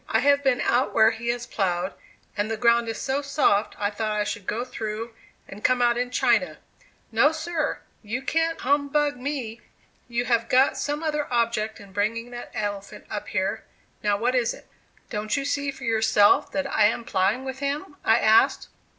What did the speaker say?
I have been out where he has plowed, and the ground is so soft I thought I should go through and come out in China. No, sir! You can't humbug me. You have got some other object in bringing that elephant up here; now what is it?" "Don't you see for yourself that I am plowing with him?" I asked.